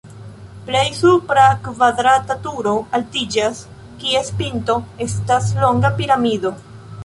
Plej supre kvadrata turo altiĝas, kies pinto estas longa piramido.